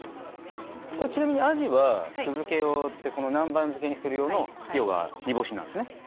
これちなみにアジは酢漬用ってこの南蛮漬けにする用の要は煮干しなんですね。